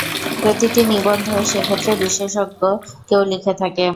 প্রতিটি নিবন্ধ সেক্ষেত্রে বিশেষজ্ঞ কেউ লিখে থাকে।